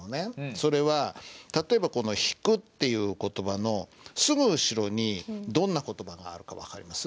それは例えばこの「引く」っていう言葉のすぐ後ろにどんな言葉があるか分かります？